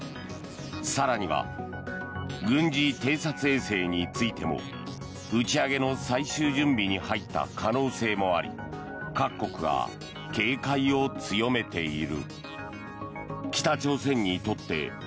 更には、軍事偵察衛星についても打ち上げの最終準備に入った可能性もあり各国が警戒を強めている。